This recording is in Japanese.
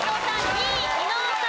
２位伊野尾さん。